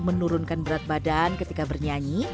menurunkan berat badan ketika bernyanyi